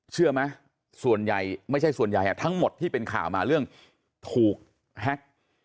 เชื่อไหมส่วนใหญ่ไม่ใช่ส่วนใหญ่ทั้งหมดที่เป็นข่าวมาเรื่องถูกแฮ็ก